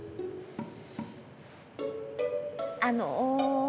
あの。